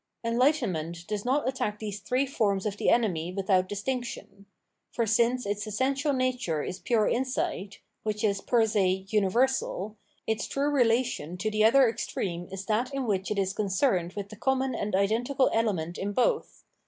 Enlightenment does not attack these three forms of the enemy without distmction. For since its essential nature is pure insight, which is per se universal, its The Struggle of Enlightenment with Superstition 55l true relation to the other extreme is that in which it is concerned with the common and identical element in both.